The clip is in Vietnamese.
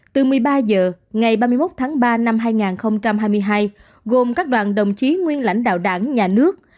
từ một mươi ba h ngày ba mươi một tháng ba năm hai nghìn hai mươi hai gồm các đoàn đồng chí nguyên lãnh đạo đảng nhà nước